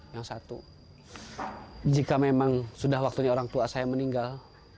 yang satu jika memang sudah waktunya orang tua saya meninggal